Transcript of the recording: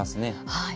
はい。